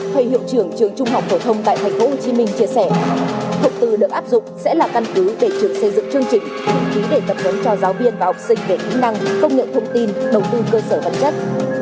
thầy hiệu trưởng trường trung học phổ thông tại tp hcm chia sẻ thông tư được áp dụng sẽ là căn cứ để trường xây dựng chương trình đăng ký để tập huấn cho giáo viên và học sinh về kỹ năng công nghệ thông tin đầu tư cơ sở vật chất